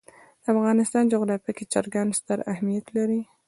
د افغانستان جغرافیه کې چرګان ستر اهمیت لري.